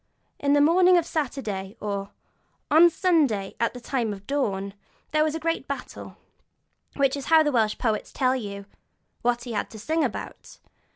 'In the morning of Saturday,' or 'On Sunday, at the time of dawn, there was a great battle'; that is how the Welsh poet tells you what he had to sing about.